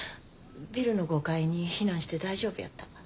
ビルの５階に避難して大丈夫やった。